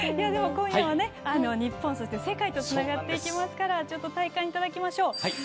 今夜は日本、そして世界とつながっていきますからちょっと体感いただきましょう。